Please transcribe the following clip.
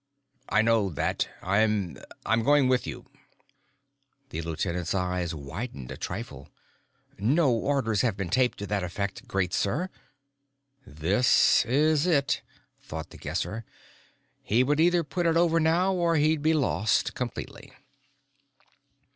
"I know that. I'm ... I'm going with you." The lieutenant's eyes widened a trifle. "No orders have been taped to that effect, great sir." This is it! thought The Guesser. He would either put it over now or he'd be lost completely.